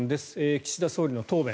岸田総理の答弁。